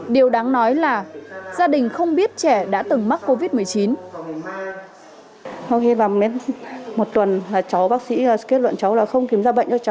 điều đáng nói là gia đình không biết trẻ đã từng mắc covid một mươi chín